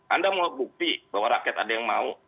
anda mau bukti bahwa rakyat ada yang mau